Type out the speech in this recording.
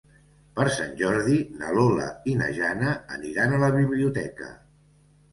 Per Sant Jordi na Lola i na Jana aniran a la biblioteca.